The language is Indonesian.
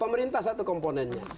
pemerintah satu komponennya